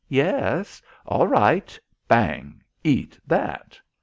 Yes? All right." Bang! "Eat that."